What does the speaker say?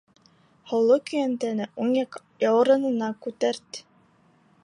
Һыулы көйәнтәне уң яҡ яурынына күтәрт.